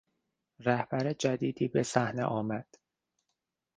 رهبر جدیدی به صحنه آمد.